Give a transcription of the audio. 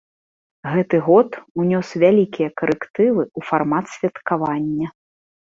Гэты год унёс вялікія карэктывы ў фармат святкавання.